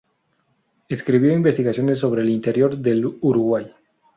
Escribió investigaciones sobre el interior del Uruguay.